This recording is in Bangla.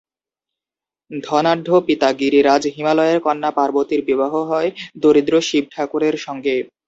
ধনাঢ্য পিতা গিরিরাজ হিমালয়ের কন্যা পার্বতীর বিবাহ হয় দরিদ্র শিবঠাকুরের সঙ্গে।